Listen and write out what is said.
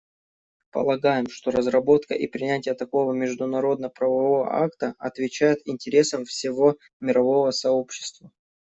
Полагаем, что разработка и принятие такого международно-правового акта отвечает интересам всего мирового сообщества.